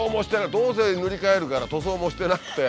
どうせ塗り替えるから塗装もしてなくて。